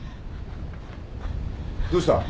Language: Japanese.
どうした？